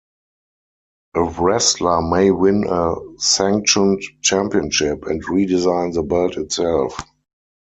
A wrestler may win a sanctioned championship and redesign the belt itself.